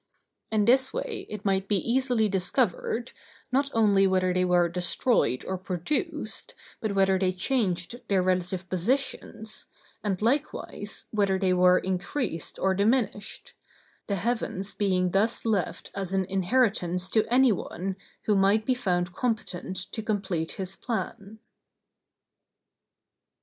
In this way it might be easily discovered, not only whether they were destroyed or produced, but whether they changed their relative positions, and likewise, whether they were increased or diminished; the heavens being thus left as an inheritance to any one, who might be found competent to complete his plan.